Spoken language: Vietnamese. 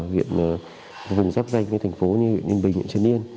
huyện vùng giáp danh thành phố như ninh bình trần yên